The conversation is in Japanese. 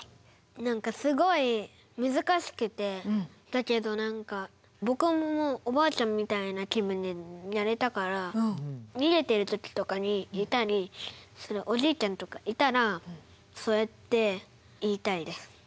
何かすごい難しくてだけど何か僕もおばあちゃんみたいな気分でやれたから逃げてる時とかにいたりするおじいちゃんとかいたらそうやって言いたいです。